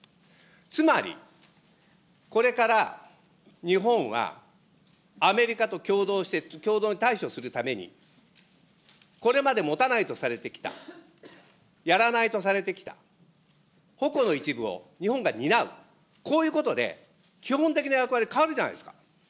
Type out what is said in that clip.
つまりこれから日本は、アメリカと共同に対処するために、これまで持たないとされてきた、やらないとされてきた、矛の一部を日本が担う、こういうことで、基本的な役割変わるじゃないですか。